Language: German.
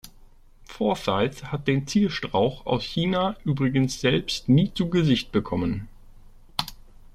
Forsyth hat den Zierstrauch aus China übrigens selbst nie zu Gesicht bekommen.